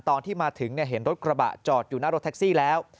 ตอนที่มาถึงเห็นรถกระบะจอดอยู่หน้ารถแท็กซี่แล้ว